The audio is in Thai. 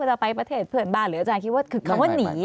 จะไปประเทศเพื่อนบ้านหรืออาจารย์คิดว่าคือคำว่าหนี